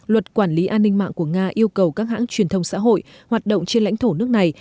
luật quản lý an ninh mạng của nga yêu cầu các hãng truyền thông xã hội hoạt động trên lãnh thổ nước này